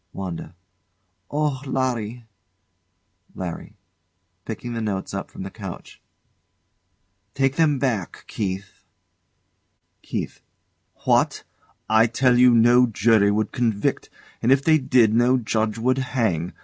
WANDA. Oh, Larry! LARRY. [Picking the notes up from the couch] Take them back, Keith. KEITH. What! I tell you no jury would convict; and if they did, no judge would hang.